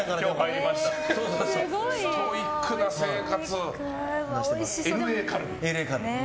ストイックな生活。